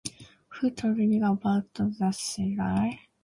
Who told you about Zachary?